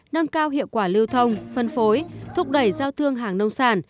nâng cao hiệu quả lưu thông phân phối thúc đẩy giao thương hàng nông sản